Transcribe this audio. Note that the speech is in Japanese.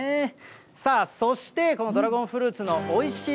さあ、そしてこのドラゴンフルーツのおいしい